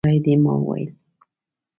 کوم ځای دی؟ ما وویل.